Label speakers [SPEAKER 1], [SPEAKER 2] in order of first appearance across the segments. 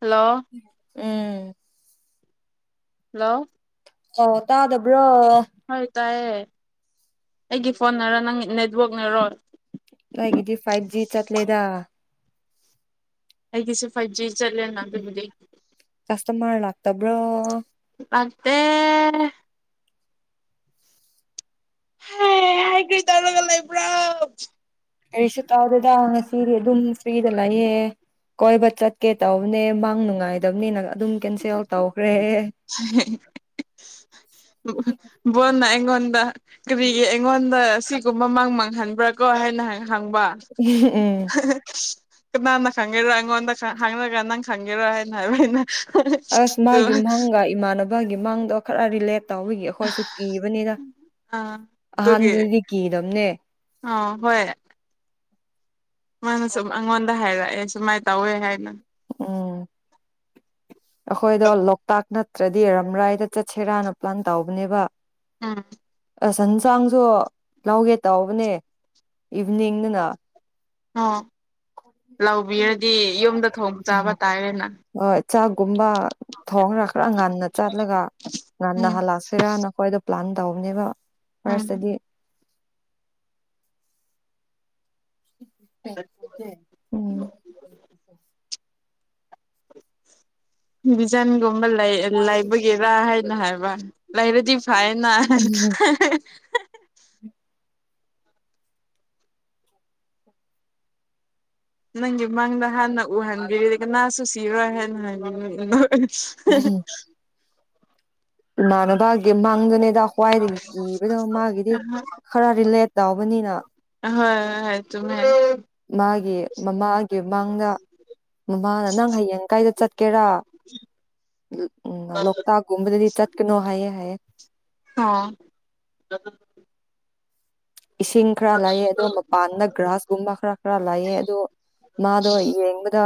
[SPEAKER 1] hello
[SPEAKER 2] um
[SPEAKER 1] hello
[SPEAKER 2] ꯑ ꯇꯥꯗꯕ꯭ꯔꯣ
[SPEAKER 1] ꯍꯣꯏ ꯇꯑꯌꯦ ꯑꯩꯒꯤ ꯐꯣꯟꯅꯔ ꯅꯪ ꯅꯦꯠꯋꯥꯛꯅꯔꯣ
[SPEAKER 2] ꯂꯦꯗꯤ ꯐꯥꯏꯚ ꯖꯤ ꯆꯠꯂꯕ
[SPEAKER 1] ꯑꯩꯒꯤꯁꯦ ꯐꯥꯏꯚꯖꯤ ꯆꯠꯂ ꯅꯪ ꯑꯗꯨꯕꯨꯗꯤ
[SPEAKER 2] ꯇꯕ꯭ꯔꯣ
[SPEAKER 1] ꯑꯗꯦ ꯍꯥꯏꯈꯔꯤ ꯇꯧꯔꯒ ꯂꯩꯕ꯭ꯔꯥ
[SPEAKER 2] ꯁꯤꯗꯤ ꯑꯗꯨꯝ ꯐ꯭ꯔꯤꯗ ꯂꯩꯌꯦ ꯀꯣꯏꯕ ꯆꯠꯀꯦ ꯇꯧꯕꯅꯦ ꯃꯥꯡ ꯅꯨꯡꯉꯥꯏꯗꯕꯅꯤꯅ ꯑꯗꯨꯝ ꯀꯦꯟꯁꯦꯜ ꯇꯧ
[SPEAKER 1] ꯕꯣꯟꯅ ꯑꯩꯉꯣꯟꯗ ꯀꯔꯤꯒꯤ ꯑꯩꯉꯣꯟꯗ ꯁꯤꯒꯨꯝꯕ ꯃꯥꯡ ꯃꯥꯡꯍꯟꯕ꯭ꯔꯥ ꯀꯣ ꯍꯥꯏꯅ ꯍꯥꯏ ꯍꯥꯡꯕ
[SPEAKER 2] ꯎꯝ
[SPEAKER 1] ꯀꯅꯥꯅ ꯈꯪꯒꯦꯔꯣ ꯑꯩꯉꯣꯟꯗ ꯈꯛ ꯍꯪꯉꯒ ꯅꯪ ꯈꯪꯒꯦꯔꯣ ꯍꯥꯏꯅ ꯍꯥꯏꯕ ꯑꯩꯅ
[SPEAKER 2] ꯑꯁ
[SPEAKER 1] ꯑꯗꯨ
[SPEAKER 2] ꯃꯥꯒꯤ ꯍꯪꯒꯥ ꯏꯃꯥꯥꯟ ꯅꯕꯒꯤ ꯃꯥꯡꯗꯣ ꯈꯔ ꯔꯤꯂꯦꯠ ꯇꯥꯎꯕꯒꯤ ꯑꯩꯈꯣꯏꯁꯨ ꯀꯤꯕꯅꯤꯗ
[SPEAKER 1] ꯑꯥ
[SPEAKER 2] ꯑꯍꯥꯟꯕꯥꯟꯕꯗꯗꯤ ꯀꯤꯗꯕꯅꯦ
[SPEAKER 1] ꯑ ꯍꯣꯏ ꯃꯅ ꯁꯨꯝ ꯑꯩꯉꯣꯟꯗ ꯍꯥꯢꯕ ꯢꯁ ꯃꯥꯏ ꯇꯧꯋꯦ ꯍꯥꯏꯅ
[SPEAKER 2] ꯎꯝ ꯑꯩꯈꯣꯏꯗꯣ ꯂꯣꯛꯇꯥꯛ ꯅ ꯅꯠꯇ꯭ꯔꯗꯤ ꯔꯝꯔꯥꯏꯗ ꯆꯠꯁꯦꯔꯥꯅ ꯄ꯭ꯂꯥꯟ ꯇꯧꯕꯅꯦꯕ
[SPEAKER 1] ꯑꯝ
[SPEAKER 2] [unintelligible] ꯁꯨ ꯂꯧꯒꯦ ꯇꯧꯕꯅꯦ ꯏꯚꯅꯤꯡꯅꯅ
[SPEAKER 1] ꯑꯣ ꯂꯧꯕꯤꯔꯗꯤ ꯌꯨꯝꯗ ꯊꯣꯡ
[SPEAKER 2] ꯎꯝ ꯍꯣꯏ ꯆꯥꯛꯀꯨꯝꯕ ꯊꯣꯡ ꯈ꯭ꯔꯥ ꯈꯔ ꯉꯟꯅ ꯆꯠꯂꯒ ꯉꯟꯅ
[SPEAKER 1] ꯎꯝ
[SPEAKER 2] ꯍꯜꯂꯛꯁꯤꯔꯥ ꯅꯈꯣꯏꯗ ꯄ꯭ꯂꯥꯟ ꯇꯧꯕꯅꯦꯕ
[SPEAKER 1] ꯎꯝ
[SPEAKER 2] ꯐꯔꯁꯇꯗꯤ ꯎꯝ
[SPEAKER 1] ꯕꯤꯖꯥꯟꯒ ꯂꯩ ꯂꯩꯕꯒꯦꯔ ꯍꯥꯏ ꯍꯥꯏꯕ꯭ꯔꯥ ꯂꯩꯔꯗꯤ ꯀꯥꯏꯅ [unintelligible] ꯅꯪꯒꯤ ꯃꯥꯡꯗ ꯍꯥꯟꯅ ꯎꯍꯟꯕꯤꯔꯤ ꯀꯅꯥꯁꯨ ꯁꯤꯔꯣꯏ ꯍꯥꯏꯅ [inaudible]
[SPEAKER 2] ꯅꯅꯗꯦ ꯃꯪꯗꯨꯅꯦꯗ ꯈ꯭ꯋꯥꯏꯗꯒꯤ ꯀꯤꯕꯗ ꯃꯥꯒꯤꯗꯤ ꯈꯔ ꯔꯤꯂꯦꯠ ꯇꯎꯕꯅꯤꯅ
[SPEAKER 1] ꯍꯥꯏꯦ ꯇꯝ ꯍ
[SPEAKER 2] ꯃꯥꯒꯤ ꯃꯃꯥꯒꯤ ꯃꯪꯗ ꯃꯃꯥꯅ ꯅꯪ ꯍꯌꯦꯡ ꯀꯥꯏꯗ ꯆꯠꯀꯦꯔꯥ ꯎ ꯂꯣꯛꯇꯥꯛꯒꯨꯝꯕꯗꯗꯤ ꯆꯠꯀꯅꯣ ꯍꯥꯏꯌꯦ ꯍꯥꯏꯌꯦ
[SPEAKER 1] ꯑ
[SPEAKER 2] ꯏꯁꯤꯡ ꯈꯔ ꯂꯥꯏꯑꯦ ꯑꯗꯣ ꯃꯄꯥꯟꯗ ꯒ꯭ꯔꯥꯁꯀꯨꯝꯕ ꯈꯔ ꯈꯔ ꯂꯥꯏꯑꯦ ꯑꯗꯣ ꯃꯥꯗꯣ ꯌꯦꯡꯕꯗ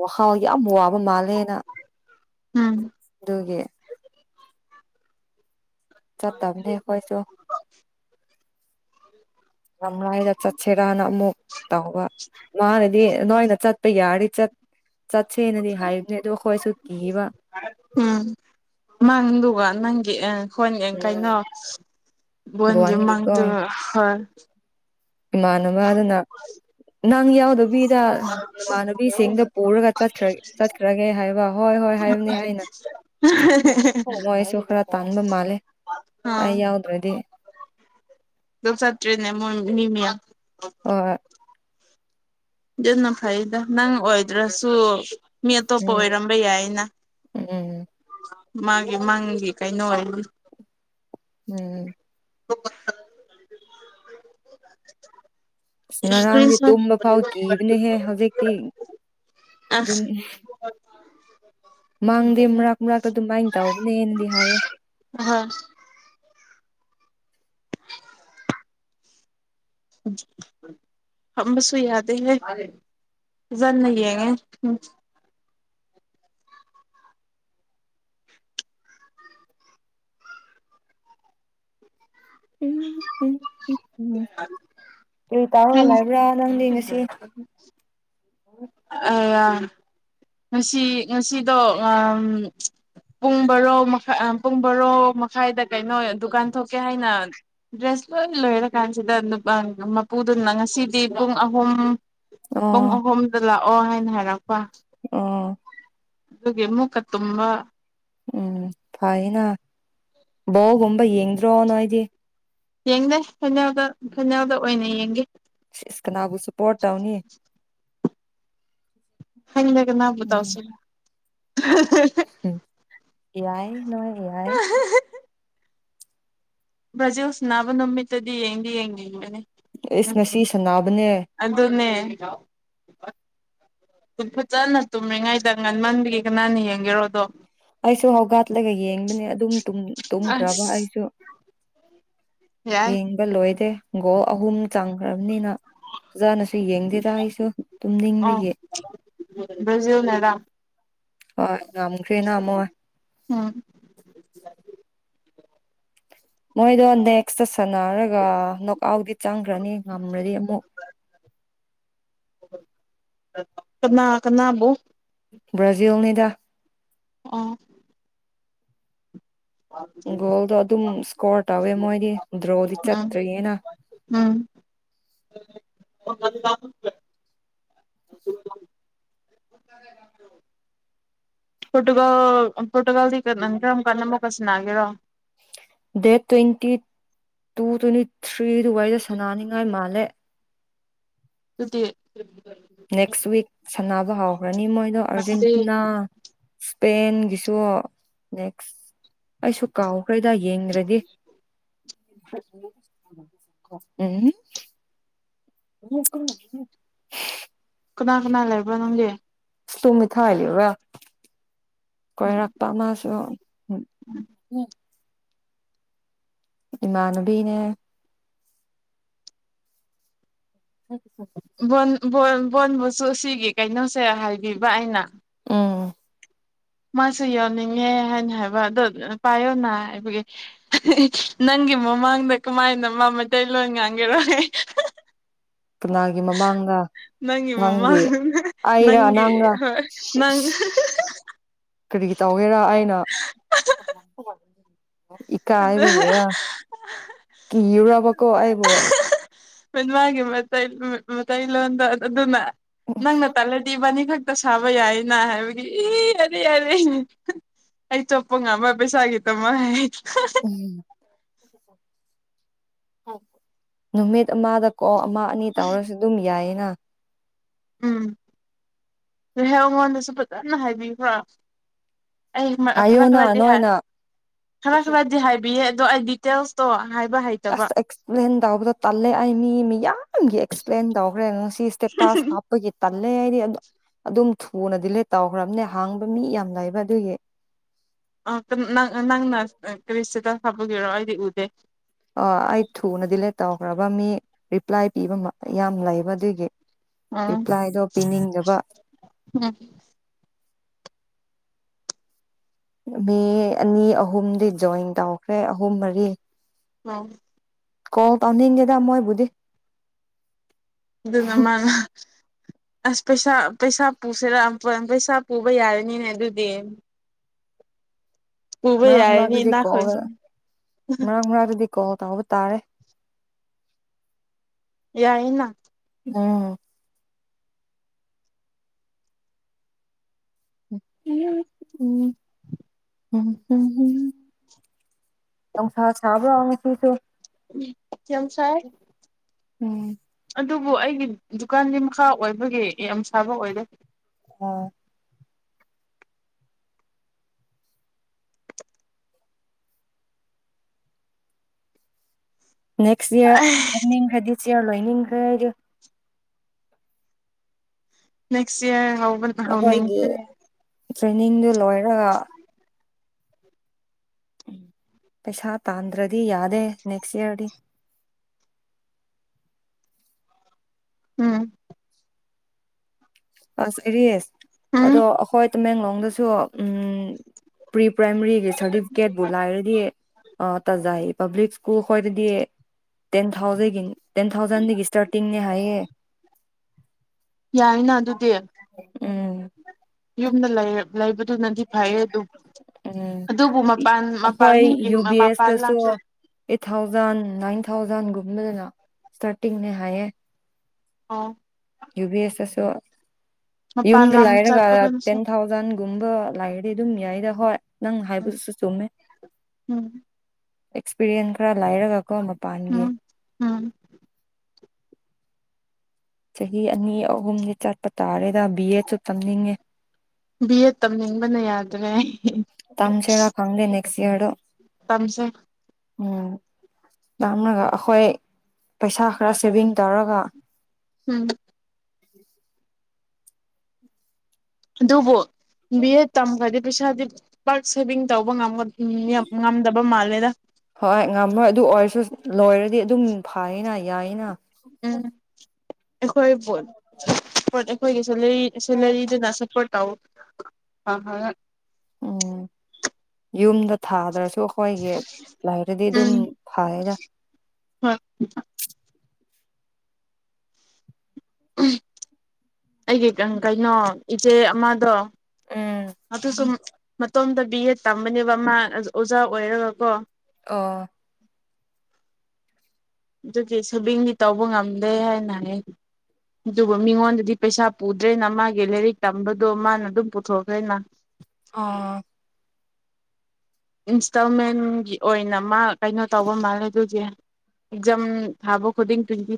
[SPEAKER 2] ꯋꯥꯈꯜ ꯌꯥꯝ ꯋꯥꯕ ꯃꯥꯜꯂꯦꯅ
[SPEAKER 1] ꯎꯝ
[SPEAKER 2] ꯑꯗꯨꯒꯤ ꯆꯠ ꯇꯝꯅꯤ ꯈꯣꯏꯁꯨ ꯌꯥꯝꯔꯥꯏ ꯆ ꯆ ꯁꯦꯔꯥ ꯅꯃꯛ ꯇꯕ ꯃꯥꯅꯦꯗꯤ ꯅꯣꯏꯅ ꯆꯠꯄ ꯌꯥꯔ ꯆꯠꯁꯦꯅꯗꯤ ꯍꯥꯏꯕꯅꯦ ꯑꯗꯨꯗꯣ ꯑꯩꯈꯣꯏꯁꯨ ꯀꯤꯕ
[SPEAKER 1] ꯎꯝ ꯃꯪꯗꯨꯒ ꯅꯪꯦ ꯑ ꯍꯣꯟꯒ
[SPEAKER 2] ꯎꯝ
[SPEAKER 1] ꯀꯥꯏꯩꯅꯣ ꯕꯣꯟꯒꯤ ꯃꯃꯥꯡꯗꯣ ꯍꯣꯏ [unintelligible]
[SPEAKER 2] ꯏꯃꯥꯟꯅꯕꯗꯅ ꯅꯪ ꯌꯥꯎꯗꯕꯤ ꯃꯅꯕꯤꯁꯤꯡ ꯄꯨꯔꯒ ꯆꯠꯈ꯭ꯔ ꯆꯠꯈ꯭ꯔꯒꯦ ꯍꯥꯏꯕ ꯍꯣꯏ ꯍꯣꯏ ꯍꯥꯏꯕꯅꯦ ꯑꯩꯅ ꯃꯣꯏꯁꯨꯈꯔꯥ ꯇꯥꯟꯕꯥꯟꯕ ꯃꯥꯂꯦ ꯑꯩ ꯌꯥꯎꯗ꯭ꯔꯗꯤ
[SPEAKER 1] ꯗꯁꯇꯔꯤꯅꯦ ꯅꯤꯡꯅꯤꯃꯤꯌꯥ
[SPEAKER 2] ꯑꯣ
[SPEAKER 1] ꯑꯗꯨꯟꯅ ꯐꯩꯗ ꯅꯪ ꯑꯣꯏꯗ꯭ꯔꯁꯨ ꯃꯤ
[SPEAKER 2] ꯎꯝ
[SPEAKER 1] ꯑꯇꯣꯞꯄ ꯑꯣꯏꯔꯝꯕ ꯌꯥꯏꯅ
[SPEAKER 2] ꯎꯝ
[SPEAKER 1] ꯃꯥꯒꯤ ꯃꯪꯒꯤ ꯀꯩꯅꯣ ꯑꯣꯏ
[SPEAKER 2] ꯎꯝ ꯑꯁ ꯉꯔꯥꯡꯗꯤ
[SPEAKER 1] ꯏꯁꯀ꯭ꯔꯤꯟꯁꯣꯠ
[SPEAKER 2] ꯇꯨꯝꯕ ꯐꯥꯎ ꯀꯤꯕꯅꯦꯍꯦ ꯍꯧꯖꯤꯛꯇꯤ ꯑꯗꯨꯝ
[SPEAKER 1] ꯎ
[SPEAKER 2] ꯃꯥꯡꯗꯦ ꯃꯔꯥꯛ ꯃꯔꯥꯛꯛꯇ ꯑꯗꯨꯃꯥꯏꯅ ꯇꯥꯎꯕꯅꯦꯅꯗꯤ ꯍꯥꯏꯌꯦꯦ
[SPEAKER 1] ꯍꯣꯏ ꯍꯕꯁꯨ ꯌꯥꯗꯦ ꯟꯅ ꯌꯦꯡꯉꯦ
[SPEAKER 2] ꯎꯝ ꯎꯝ ꯎꯝ
[SPEAKER 1] [unintelligible]
[SPEAKER 2] ꯀꯔꯤ
[SPEAKER 1] ꯏꯁꯀ꯭ꯔꯤꯟ
[SPEAKER 2] ꯇꯍꯂꯕ꯭ꯔꯥ ꯅꯅ [unintelligible]
[SPEAKER 1] ꯑ ꯉꯁꯤ ꯉꯁꯤꯗꯣ ꯄꯨꯡ ꯔꯣ ꯄꯨꯡ ꯕꯔꯣ ꯃꯈꯥꯏꯗ ꯀꯩꯅꯣ ꯗꯨꯀꯥꯟ ꯊꯣꯛꯀꯦ ꯍꯥꯏꯅ ꯗ꯭ꯔꯦꯁ ꯂꯣꯏ ꯂꯣꯏꯔꯀꯥꯟꯁꯤꯗ ꯃꯄꯨꯗꯨꯅ ꯉꯁꯤꯗꯤ ꯄꯨꯡ ꯑꯍꯨꯝ ꯑꯣ ꯑꯍꯨꯝ ꯂꯥꯛꯑꯣ ꯍꯥꯏꯅ ꯍꯥꯏꯔꯛꯄ
[SPEAKER 2] ꯑ
[SPEAKER 1] ꯑꯗꯨꯒꯤ ꯃꯨꯀ ꯇꯨꯝꯕꯥ
[SPEAKER 2] ꯎꯝ ꯐꯅ ꯕꯣꯒꯨꯝꯕ ꯌꯦꯡꯗ꯭ꯔꯣ ꯅ ꯑꯩꯗꯤ
[SPEAKER 1] ꯌꯦꯡꯅꯦ ꯐꯅꯥꯜꯗ ꯐꯅꯥꯜꯗ ꯑꯣꯏꯅ ꯌꯦꯡꯒꯦ
[SPEAKER 2] ꯏꯁ ꯀꯅꯥꯕꯨꯁꯨ ꯄꯣꯔꯠ ꯇꯧꯅꯤ
[SPEAKER 1] ꯍꯒ ꯅꯅꯥꯕꯨ ꯇꯥꯎꯁꯤꯂ [unintelligible]
[SPEAKER 2] ꯑꯦꯌꯥꯥꯏ ꯅꯍꯣꯏ
[SPEAKER 1] ꯑ ꯖꯦꯕꯨꯁꯅꯥꯕ ꯅꯃꯤꯠꯇꯗꯤ ꯌꯦꯡꯗꯤ ꯌꯦꯡꯗꯅꯤ
[SPEAKER 2] ꯑꯦꯁ ꯉꯁꯤ ꯁꯥꯟꯅꯕꯅꯦ
[SPEAKER 1] ꯑꯗꯨꯅꯦ ꯐꯖꯅ ꯇꯨꯝꯔꯤꯉꯩꯗ ꯉꯟꯃꯟꯕꯒꯦ ꯀꯅꯥꯅ ꯌꯦꯡꯒꯦꯔꯣꯗꯣ
[SPEAKER 2] ꯑꯩꯁꯨ ꯍꯧꯒꯠꯂꯒ ꯌꯦꯡꯕꯅꯦ ꯑꯗꯨꯝ ꯇꯨꯝꯈ꯭ꯔꯕ
[SPEAKER 1] ꯑꯁ
[SPEAKER 2] ꯑꯩꯁꯨ
[SPEAKER 1] ꯌꯥꯏ
[SPEAKER 2] ꯌꯦꯕ ꯂꯣ ꯏꯗꯦ ꯒꯣ ꯑꯍꯨꯝ ꯆꯥꯡꯈ꯭ꯔꯕꯅꯤꯅ ꯑꯣꯖꯥꯅꯁꯨ ꯌꯦꯡꯗꯦꯗꯥ ꯑꯩꯁꯨ
[SPEAKER 1] ꯑꯣ
[SPEAKER 2] ꯇꯨꯝꯅꯤꯡꯕꯤꯒꯦ
[SPEAKER 1] ꯕ꯭ꯔꯥꯖꯤꯜꯅꯔ
[SPEAKER 2] ꯍꯣꯏ ꯉꯝꯈꯔꯤꯅꯥ ꯑꯃ ꯑꯣꯏ
[SPEAKER 1] ꯎꯝ
[SPEAKER 2] ꯃꯣꯏꯗꯣ ꯅꯦꯛꯁꯇ ꯁꯥꯟꯅꯔꯒ ꯅꯣꯛ ꯑꯥꯎꯠꯤ ꯆꯪꯈ꯭ꯔꯅꯤ ꯉꯝꯂꯗꯤ ꯑꯃꯨꯛ
[SPEAKER 1] ꯀꯅꯥ ꯀꯅꯥꯕꯣ
[SPEAKER 2] ꯭ꯔꯥꯖꯤꯜꯅꯤꯗ
[SPEAKER 1] ꯑ
[SPEAKER 2] ꯒꯣꯜꯗꯣ ꯑꯗꯨꯝ ꯏꯁꯀꯣꯔ ꯇꯧꯋꯦ ꯃꯣꯏꯗꯤ ꯗ꯭ꯔꯣꯗꯤ
[SPEAKER 1] ꯎꯝ
[SPEAKER 2] ꯆꯠꯇ꯭ꯔꯤꯌꯦꯅ
[SPEAKER 1] ꯎꯝ ꯄꯣꯔꯇꯨꯒꯜ ꯄꯣꯔꯇꯨꯒꯜꯗꯤ ꯀꯔꯝ ꯀꯥꯟꯅꯝꯕꯀꯁꯤꯅꯥꯒꯦꯔꯣ
[SPEAKER 2] date twenty two twenty three ꯑꯗꯨꯋꯥꯏꯗ ꯁꯥꯟꯅꯅꯤꯡꯉꯥꯏ ꯃꯥꯜꯂꯦ
[SPEAKER 1] ꯑꯗꯨꯗꯤ
[SPEAKER 2] ꯅꯦꯛꯁ ꯋꯤꯛ ꯁꯥꯟꯅꯕ ꯍꯧꯈ꯭ꯔꯅꯤ ꯃꯣꯏꯗꯣ
[SPEAKER 1] ꯅꯪꯗꯤ
[SPEAKER 2] ꯑꯥꯔꯖꯦꯟꯇꯤꯅꯥ ꯏꯁꯄꯦꯟꯒꯤꯁꯨ ꯅꯦꯛꯁ ꯑꯩꯁꯨꯨ ꯀꯥꯎ ꯑꯩꯈꯣꯏꯗ ꯌꯦꯡꯗ꯭ꯔꯗꯤ ꯎꯝ ꯌꯦ
[SPEAKER 1] ꯀꯅꯥ ꯀꯅꯥ ꯂꯩꯕ꯭ꯔꯣ ꯅꯪꯒꯤꯦ
[SPEAKER 2] ꯇꯨꯃꯤ ꯊꯥ ꯂꯒ ꯀꯣꯏꯔꯛꯄ ꯃꯁꯨ ꯎꯝ ꯎꯝ ꯏꯃꯥꯟꯅꯕꯤꯅꯦ [unintelligible]
[SPEAKER 1] [unintelligible] ꯕꯣꯟꯕꯨꯁꯨ ꯁꯤꯒꯤ ꯀꯩꯅꯣꯁꯦ ꯍꯥꯏꯕꯤꯕ ꯑꯩꯅ
[SPEAKER 2] ꯎꯝ
[SPEAKER 1] ꯃꯥꯁꯨ ꯌꯧꯅꯤꯡꯉꯦ ꯍꯥꯏꯅ ꯍꯥꯏꯕ ꯑꯗꯣꯅ ꯄꯥꯏꯌꯣꯅ ꯍꯥꯏꯕꯒꯤ ꯅꯪꯒꯤ ꯃꯃꯥꯡꯗ ꯀꯃꯥꯏꯅ ꯃꯥ ꯃꯩꯇꯩꯂꯣꯟ ꯉꯥꯡꯒꯦꯔꯣꯌꯦ
[SPEAKER 2] ꯀꯅꯥꯒꯤ ꯃꯃꯥꯡꯔ ꯅꯪꯒꯤ
[SPEAKER 1] ꯃꯃꯥꯡꯗ
[SPEAKER 2] ꯑꯩꯔꯥ
[SPEAKER 1] ꯅꯪꯒꯤ
[SPEAKER 2] ꯅꯪꯔꯥ
[SPEAKER 1] ꯍꯣꯏ ꯅꯪ
[SPEAKER 2] ꯁꯤꯁ ꯀꯔꯤ ꯇꯧꯒꯦꯔꯥ ꯑꯩꯅꯥ ꯏꯀꯥꯏꯕꯒꯤꯔꯥ ꯀꯤꯔꯕ ꯀꯣ ꯑꯩꯕꯣ
[SPEAKER 1] [unintelligible] ꯃꯩꯇꯩ ꯂꯣꯟꯗ ꯑꯗꯨꯅ ꯅꯪꯅ ꯇꯂꯗꯤ ꯏꯕꯥꯅꯤ ꯃꯊꯛꯇ ꯁꯥꯕ ꯌꯥꯏꯅ ꯍꯥꯏꯕꯒꯤ ꯏ ꯑꯔꯦ ꯑꯔꯦ ꯑꯩ ꯆꯣꯞꯄ ꯉꯝꯔꯣꯏ ꯄꯩꯁꯥꯒꯤꯗꯃꯛ ꯍꯥꯏ
[SPEAKER 2] ꯎꯝ ꯅꯨꯃꯤꯠ ꯑꯃꯗ ꯀꯣꯜ ꯑꯃ ꯑꯅꯤ ꯇꯧꯔꯁꯨ ꯑꯗꯨꯝ ꯌꯥꯏꯌꯦ ꯉ
[SPEAKER 1] ꯎꯝ [unintelligible] ꯉꯣꯟꯗꯁꯨ ꯐꯖꯅ ꯍꯥꯏꯕꯤ ꯕ꯭ꯔꯥ ꯑꯩ ꯃꯔꯛ ꯈꯔ
[SPEAKER 2] ꯍꯥꯏꯌꯣꯅ
[SPEAKER 1] ꯈꯔꯗꯤ
[SPEAKER 2] ꯅꯣꯏꯅ
[SPEAKER 1] ꯈꯔ ꯈꯔꯗꯤ ꯍꯥꯏꯕꯤꯌꯦ ꯑꯗꯣ ꯑꯩꯗꯤ [unintelligible]
[SPEAKER 2] ꯑꯁ ꯑꯦꯛꯁꯄ꯭ꯂꯦꯟ ꯇꯧꯕꯗꯣ ꯇꯜꯂꯦ ꯑꯩ ꯃꯤ ꯌꯥꯝꯒꯤ ꯑꯦꯛꯁꯄ꯭ꯂꯦꯟ ꯇꯧ ꯍꯣꯔꯦꯟ ꯉꯁꯤ [unintelligible] ꯇꯥꯛꯁ ꯍꯥꯞꯄꯒꯤ [unintelligible] ꯂꯩ ꯍꯥꯏꯗꯤ ꯑꯗꯨꯝ ꯊꯨꯅ ꯗꯤꯂꯤꯠ ꯇꯧꯈ꯭ꯔꯕꯅꯦ ꯍꯥꯡꯕ ꯃꯤ ꯌꯥꯝ ꯂꯩꯕ ꯑꯗꯨꯒꯤ
[SPEAKER 1] ꯅꯪꯅ ꯀꯔꯤꯁꯤꯗ ꯍꯥꯞꯄꯒꯤꯔꯣ ꯑꯩꯗꯤ ꯎꯗꯦ
[SPEAKER 2] ꯑ ꯑꯩ ꯊꯨꯅ ꯗꯤꯂꯤꯠ ꯇꯧ ꯐꯕ ꯃꯤ ꯔꯤꯄ꯭ꯂꯥꯏ ꯄꯤꯕ ꯌꯥꯝ ꯂꯩꯕ ꯑꯗꯨꯒꯤ
[SPEAKER 1] ꯎꯝ
[SPEAKER 2] ꯔꯤꯄ꯭ꯂꯥꯏꯗꯣ ꯄꯤꯅꯤꯡꯗꯕ
[SPEAKER 1] ꯎꯝ
[SPEAKER 2] ꯃꯤ ꯑꯅꯤ ꯑꯍꯨꯝꯗꯤ ꯖꯣꯏꯟ ꯇꯧꯈ꯭ꯔꯦ ꯑꯍꯨꯝ ꯃꯔꯤ
[SPEAKER 1] ꯑ
[SPEAKER 2] ꯀꯣꯜ ꯇꯧꯅꯤꯡꯗꯦꯗꯥ ꯃꯣꯏꯕꯨꯗꯤ
[SPEAKER 1] ꯑꯗꯨꯅ ꯃꯥꯅ ꯑꯁ ꯄꯩꯁꯥ ꯄꯩꯁꯥ ꯄꯨꯁꯤꯔꯥ [unintelligible] ꯄꯩꯁꯥ ꯄꯨꯕ ꯌꯥꯔꯅꯤꯅꯦ ꯑꯗꯨꯗꯤ ꯎꯕ
[SPEAKER 2] ꯃꯔꯛ
[SPEAKER 1] ꯌꯥꯏꯔꯅꯤ
[SPEAKER 2] ꯃꯔꯛꯇꯗꯤ
[SPEAKER 1] ꯅꯈꯣꯏꯁꯨ [unintelligible]
[SPEAKER 2] ꯀꯣ ꯇꯧꯕ ꯇꯥꯔꯦ
[SPEAKER 1] ꯌꯥꯏꯅ
[SPEAKER 2] ꯑ ꯁꯕ꯭ꯔꯁꯨ
[SPEAKER 1] ꯀꯦꯝ ꯁꯥꯔ
[SPEAKER 2] ꯎꯝ
[SPEAKER 1] ꯑꯗꯨꯕꯨ ꯑꯩꯒꯤ ꯗꯨꯀꯥꯟꯒꯤ ꯃꯈꯥ ꯑꯣꯏꯕꯒꯤ ꯌꯥꯝ ꯁꯥꯕ ꯑꯣꯏꯗ
[SPEAKER 2] ꯍꯣꯏ ꯅꯦꯛꯁ ꯏꯌꯥꯔ ꯏ ꯍꯥꯏꯗꯤ ꯆꯔ ꯂꯣ ꯀꯔ
[SPEAKER 1] ꯅꯦꯛꯁ ꯏꯔ
[SPEAKER 2] ꯑꯩꯈꯣꯏꯒꯤ ꯇ꯭ꯔꯦꯅꯤꯡꯗꯨ ꯂꯣꯏꯔꯒ ꯎꯝ ꯄꯩꯁꯥ ꯇꯥꯟꯗ꯭ꯔꯗꯤ ꯗꯤ ꯌꯥꯗꯦ ꯅꯦꯛꯁ ꯏꯌꯔꯗꯤ
[SPEAKER 1] ꯎꯝ
[SPEAKER 2] ꯑ ꯁꯦꯔꯤꯁ ꯑꯗꯣ
[SPEAKER 1] ꯎꯝ
[SPEAKER 2] ꯑꯈꯣꯏ ꯇꯃꯦꯡꯂꯣꯡꯗꯁꯨ ꯎ ꯄ꯭ꯔꯤ ꯄ꯭ꯔꯥꯏꯃꯔꯤꯒꯤ ꯁꯥꯔꯇꯤꯐꯤꯀꯦꯠꯄꯕꯨ ꯂꯥꯏꯔꯗꯤ ꯇꯥꯖꯩ ꯄꯥꯕ꯭ꯂꯤꯛ ꯁ꯭ꯀꯨꯜ ꯈ꯭ꯣꯏꯗꯗꯤ ꯇꯦꯟ ꯊꯥꯎꯖꯟꯒꯤꯅꯤ ꯇꯦꯟ ꯊꯥꯎꯖꯟꯗꯒꯤ ꯏꯁꯇꯥꯔꯇꯤꯡꯅꯦ ꯍꯥꯏꯌꯦ
[SPEAKER 1] ꯌꯥꯏꯅ ꯑꯗꯨꯗꯤ
[SPEAKER 2] ꯎꯝ
[SPEAKER 1] ꯌꯨꯝꯗ ꯂꯩ ꯂꯩꯕ
[SPEAKER 2] ꯎꯝ
[SPEAKER 1] ꯑꯗꯨꯕꯨ ꯃꯄꯥꯟ ꯃꯄꯥꯟ
[SPEAKER 2] ꯑꯩꯈꯣꯏ
[SPEAKER 1] ꯃꯤꯒꯤ
[SPEAKER 2] ꯌꯨ ꯕꯤ
[SPEAKER 1] ꯃꯄꯥꯟ
[SPEAKER 2] ꯑꯦꯁꯇꯁꯨ
[SPEAKER 1] ꯂꯝꯁꯨ
[SPEAKER 2] ꯑꯦꯠ ꯊꯥꯎꯖꯟ ꯅꯥꯏꯟ ꯊꯥꯎꯖꯟꯒꯨꯝꯕꯗꯅ ꯁꯇꯥꯥꯔꯇꯤꯡꯅꯦ ꯍꯥꯏꯌꯦ
[SPEAKER 1] ꯑ
[SPEAKER 2] ꯌꯨ ꯕꯤ ꯑꯦꯁ ꯇ ꯁꯨ
[SPEAKER 1] ꯃꯄꯥꯟ
[SPEAKER 2] ꯌꯨꯝꯗ
[SPEAKER 1] ꯂꯝ
[SPEAKER 2] ꯂꯥꯏꯔꯒ
[SPEAKER 1] ꯆꯠꯄꯗꯨꯅꯁꯨ
[SPEAKER 2] ꯇꯦꯟ ꯊꯥꯎꯖꯟꯒꯨꯝꯕ ꯂꯥꯏꯔ ꯑꯗꯨꯝ ꯌꯥꯏ ꯍꯣꯏ ꯅꯪ
[SPEAKER 1] ꯎꯝ
[SPEAKER 2] ꯍꯥꯏꯕꯗꯨꯁꯨ ꯆꯨꯝꯃꯦ
[SPEAKER 1] ꯎꯝ
[SPEAKER 2] ꯑꯦꯛꯁꯄꯤꯔꯤꯌꯦꯟ ꯈꯔꯥꯂꯩꯔꯒ ꯀꯣ ꯃꯄꯥꯟꯒꯦ
[SPEAKER 1] ꯎꯝ ꯎꯝ
[SPEAKER 2] ꯆꯍꯤ ꯑꯅꯤ ꯑꯍꯨꯝꯗꯤ ꯆꯠꯄ ꯇꯥꯔꯦꯗ ꯕꯤ ꯑꯦꯗꯁꯨ ꯇꯝꯅꯤꯡꯉꯦ
[SPEAKER 1] ꯕꯤ ꯑꯦꯠ ꯇꯝꯅꯤꯡꯕꯅ ꯌꯥꯗ꯭ꯔꯦ
[SPEAKER 2] ꯇꯝ ꯁꯤꯔꯥ ꯈꯪꯗꯦꯅꯦ ꯄꯤꯁꯤꯌꯥꯔꯗꯣ
[SPEAKER 1] ꯇꯝꯁꯦ
[SPEAKER 2] ꯎꯝ ꯌꯥꯝꯅꯒ ꯑꯩꯈꯣꯏ ꯄꯩꯁꯥ ꯈꯔ ꯁꯦꯚꯤꯡ ꯇꯧꯔꯒ
[SPEAKER 1] ꯎꯝ
[SPEAKER 2] [unintelligible]
[SPEAKER 1] ꯑꯗꯨꯕꯨ ꯕꯤ ꯇꯝꯕ ꯗꯤ ꯄꯩꯁꯥꯗꯤ ꯄꯥꯛ ꯁꯦꯚꯤꯡ ꯇꯧꯕ ꯉꯝꯒ ꯎꯝ ꯌꯥꯝ ꯉꯝꯗꯕ ꯃꯥꯜꯂꯦꯗ
[SPEAKER 2] ꯍꯣꯏ ꯉꯝꯃꯣꯏ ꯑꯗꯨ ꯑꯣꯏꯔꯁꯨ ꯂꯣꯏꯔꯗꯤ ꯑꯗꯨꯝ ꯐꯌꯦꯅ ꯌꯥꯏꯌꯦꯅꯥ
[SPEAKER 1] ꯎꯝ ꯑꯩꯈꯣꯏ [unintelligible] ꯁꯦꯂꯔꯤ ꯁꯦꯂꯔꯤꯗꯅ ꯁꯄꯣꯠ [unintelligible]
[SPEAKER 2] ꯎꯝ ꯌꯨꯝꯗ ꯊꯥꯗ꯭ꯔꯁꯨ ꯑꯩꯈꯣꯏꯒꯤ ꯂꯥꯏꯗꯗꯤ ꯑꯗꯨꯝ ꯐꯥꯏꯌꯦꯒ
[SPEAKER 1] ꯍꯣꯏ ꯑꯩꯒꯤ ꯀꯩꯅꯣ ꯏꯆꯦ ꯑꯃꯗꯣ
[SPEAKER 2] ꯎꯝ
[SPEAKER 1] ꯑꯗꯨꯁꯨꯝ ꯃꯇꯣꯝꯗ ꯕꯤ ꯑꯦꯗ ꯇꯝꯕꯅꯦꯕ ꯃꯥ ꯑꯣꯖꯥ ꯑꯣꯏꯔꯒꯀꯣ
[SPEAKER 2] ꯑ
[SPEAKER 1] ꯑꯗꯨꯗꯤ ꯁꯦꯚꯡꯗꯤ ꯇꯧꯕ ꯉꯝꯂꯦ ꯍꯥꯏꯅ ꯍꯥꯏ ꯑꯗꯨꯕꯨ ꯃꯤꯉꯣꯟꯗꯗꯤ ꯄꯩꯁꯥ ꯄꯨꯗ꯭ꯔꯦꯅ ꯃꯥꯒꯤ ꯂꯥꯏꯔꯤꯛ ꯇꯝꯕꯗꯣ ꯃꯥꯅ ꯑꯗꯨꯝ ꯄꯨꯊꯣꯛꯈ꯭ꯔꯦꯅ
[SPEAKER 2] ꯑꯥ
[SPEAKER 1] ꯏꯟꯁꯇꯜꯃꯦꯟꯒꯤ ꯑꯣꯏꯅ ꯃꯥ ꯀꯩꯅꯣ ꯇꯧꯕ ꯃꯥꯜꯂꯦ ꯑꯗꯨꯒꯤ ꯑꯦꯛꯖꯥꯝ ꯊꯥꯕ ꯈꯨꯗꯤꯡ ꯇ꯭ꯋꯦꯟꯇꯤ